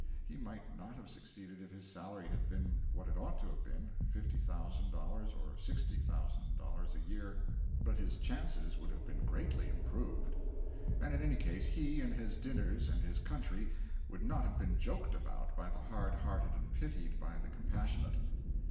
He might not have succeeded if his salary had been what it ought to have been $50,000 or $60,00 a year but his chances would have been very greatly improved. And in any case, he and his dinners and his country would not have been joked about by the hard hearted and pitied by the compassionate.